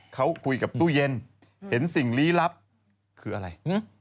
เขาคุยกับตู้เย็นเห็นสิ่งลี้ลับคืออะไร